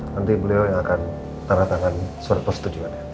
nanti beliau yang akan tarah tangan surat persetujuan